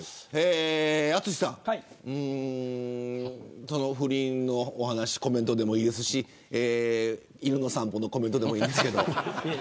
淳さん、不倫のお話コメントでもいいですし犬の散歩のコメントでもいいですけど。